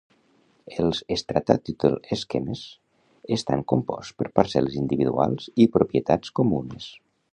Els "Strata Title Schemes" estan composts per parcel·les individuals i propietats comunes.